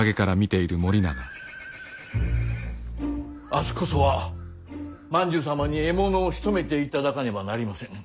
明日こそは万寿様に獲物をしとめていただかねばなりませぬ。